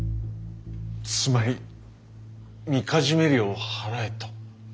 つまりみかじめ料を払えと。